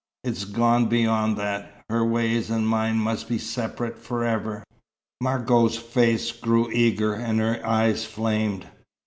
It's gone beyond that. Her ways and mine must be separate forever." Margot's face grew eager, and her eyes flamed.